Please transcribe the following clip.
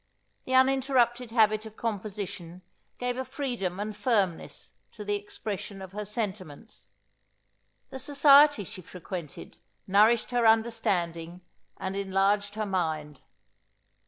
The uninterrupted habit of composition gave a freedom and firmness to the expression of her sentiments. The society she frequented, nourished her understanding, and enlarged her mind.